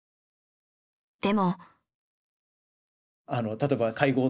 でも。